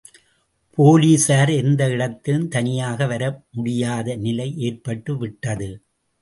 போலீசார் எந்த இடத்திலும் தனியாக வர முடியாத நிலை ஏற்பட்டு விட்டது.